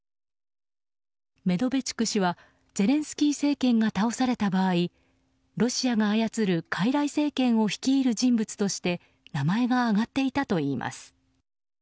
メドベチュク氏はゼレンスキー政権が倒された場合ロシアが操る傀儡政権を率いる人物として名前が挙がっていたといいます。